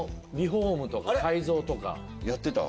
やってた？